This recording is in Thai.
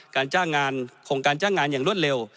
การจ้างงานโครงการจ้างงานอย่างรวดเร็ว